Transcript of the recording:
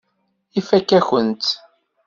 Ifakk-akent-t.